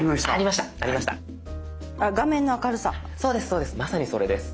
そうですそうです。